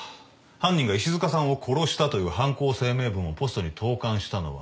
犯人が石塚さんを殺したという犯行声明文をポストに投函したのは１０日。